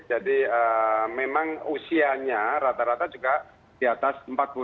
jadi memang usianya rata rata juga di atas empat puluh